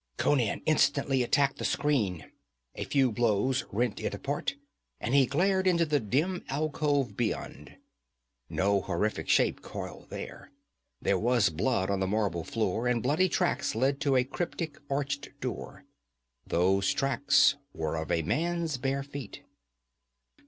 Conan instantly attacked the screen. A few blows rent it apart and he glared into the dim alcove beyond. No horrific shape coiled there; there was blood on the marble floor, and bloody tracks led to a cryptic arched door. Those tracks were of a man's bare feet....